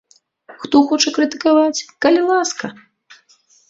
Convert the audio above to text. Хто хоча крытыкаваць, калі ласка!